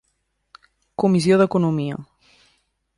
Comissió d'Economia: